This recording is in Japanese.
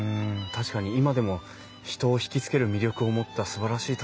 確かに今でも人を引き付ける魅力を持ったすばらしい建物ですもんね。